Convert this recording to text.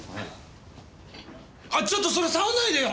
あっちょっとそれ触んないでよ！